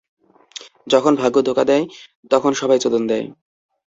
যখন ভাগ্য ধোকা দেয়, সবাই তখন চোদন দেয়।